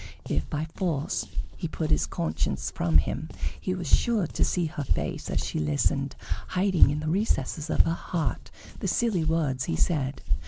If, by force, he put his conscience from him, he was sure to see her face as she listened, hiding in the recesses of her heart the silly words he said.